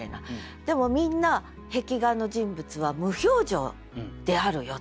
でもみんな壁画の人物は無表情であるよと。